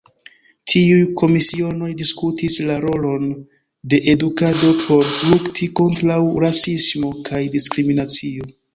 Tiuj komisionoj diskutis la rolon de edukado por lukti kontraŭ rasismo kaj diskriminacio.